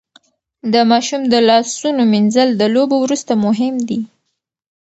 د ماشوم د لاسونو مينځل د لوبو وروسته مهم دي.